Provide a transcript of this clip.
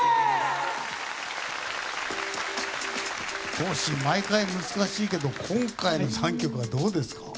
Ｔｏｓｈｌ、毎回難しいけど今回の３曲はどうですか？